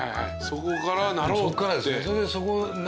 そこからなろうって。